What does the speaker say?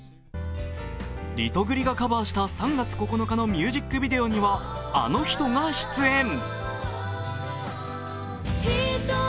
リトグリがカバーした「３月９日」のミュージックビデオにはあの人が出演。